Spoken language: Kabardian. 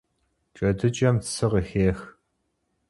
ДжэдыкӀэм цы къыхех.